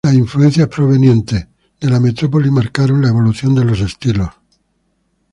Las influencias provenientes de la metrópoli marcaron la evolución de los estilos.